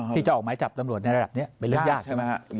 ที่จะออกไม้จับตำรวจในระดับนี้เป็นเรื่องยาก